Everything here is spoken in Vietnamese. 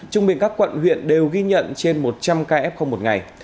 trung bình các quận huyện đều ghi nhận trên một trăm linh ca f một ngày